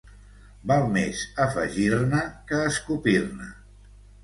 Val més afegir-ne que escopir-ne.